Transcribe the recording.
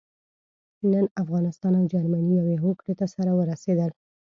نن افغانستان او جرمني يوې هوکړې ته سره ورسېدل.